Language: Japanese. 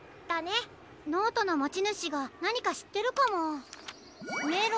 ノートのもちぬしがなにかしってるかも。